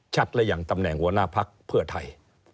ชัดแล้วยังตำแหน่งหัวหน้าภักร์เพื่อไทย